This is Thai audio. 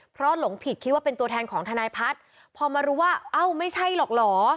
เพราะหลงผิดคิดว่าเป็นตัวแทนของทนายพัฒน์พอมารู้ว่าเอ้าไม่ใช่หรอกเหรอ